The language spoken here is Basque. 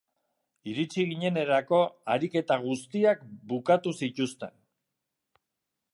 Iritsi ginenerako ariketa guztiak bukatu zituzten.